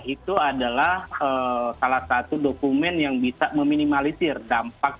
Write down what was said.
itu adalah salah satu dokumen yang bisa meminimalisir dampak